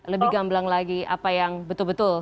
lebih gamblang lagi apa yang betul betul